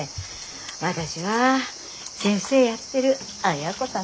私は先生やってる亜哉子さん